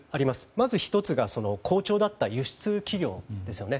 まず１つが好調だった輸出企業ですね。